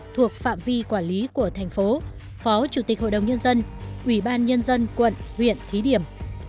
thuộc phạm vi quản lý của thành phố phó chủ tịch hội đồng nhân dân ủy ban nhân dân quận huyện thí điểm